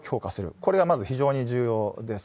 これがまず非常に重要です。